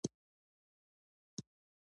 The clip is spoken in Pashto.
د ستوني د درد لپاره د توت پاڼې جوش کړئ